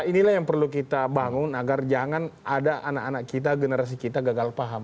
inilah yang perlu kita bangun agar jangan ada anak anak kita generasi kita gagal paham